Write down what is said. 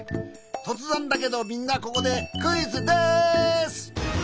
とつぜんだけどみんなここでクイズです！